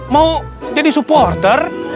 mau jadi supporter